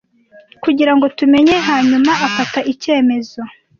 Kugirango tumenye , hanyuma afata icyemezo